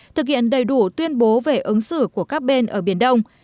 thực hiện đầy đủ tuyên bố về ứng xử của các bên ở biển đông